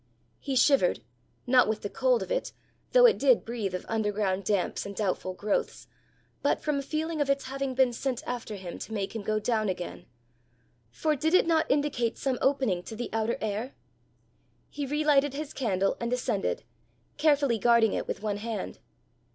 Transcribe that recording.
He shivered not with the cold of it, though it did breathe of underground damps and doubtful growths, but from a feeling of its having been sent after him to make him go down again for did it not indicate some opening to the outer air? He relighted his candle and descended, carefully guarding it with one hand.